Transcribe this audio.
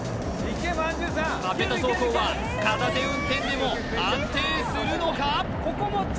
カペタ走行は片手運転でも安定するのか？